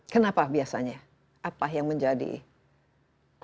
kenapa biasanya apa yang membuatnya lemah